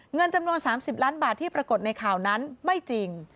เงินจำนวน๓๐ล้านบาทที่ปรากฏในข่าวนั้นไม่จริง